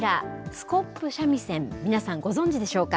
スコップ三味線、皆さん、ご存じでしょうか。